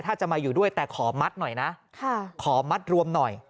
ถ้าจะมาอยู่ด้วยแต่ขอมัดหน่อยนะขอมัดรวมหน่อย